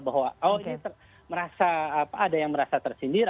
bahwa ada yang merasa tersindir